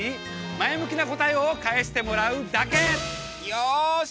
よし！